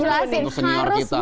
harus di bersih bersihin dulu